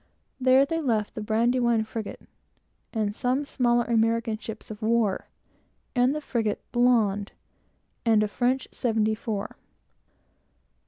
There, they left the Brandywine frigate, and other smaller American ships of war, and the English frigate Blonde, and a French seventy four.